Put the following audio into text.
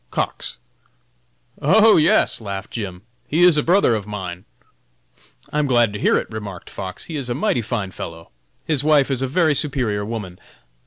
Cox. "Oh, yes!" laughed Jim, "he is a brother of mine!" "I am glad to hear it!" remarked Fox, "he is a mighty fine fellow! His wife is a very superior woman.